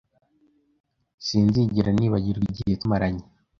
Sinzigera nibagirwa igihe twamaranye.